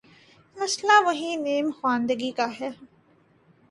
مسئلہ وہی نیم خواندگی کا ہے۔